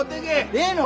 ええの！？